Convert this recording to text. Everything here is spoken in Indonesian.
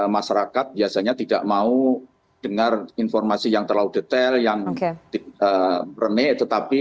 masyarakat biasanya tidak mau dengar informasi yang terlalu detail yang rene tetapi